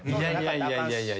いやいやいや。